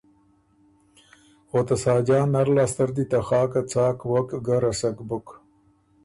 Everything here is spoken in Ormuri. او ته ساجان نر لاسته ر دی ته خاکه څاک وک ګۀ رسک بُک۔